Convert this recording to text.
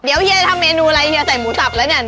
เดี๋ยวเฮียทำเมนูอะไรเฮียใส่หมูสับแล้วเนี่ย